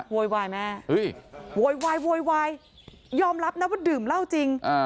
โวยวายแม่โวยวายโวยวายยอมรับนะว่าดื่มเหล้าจริง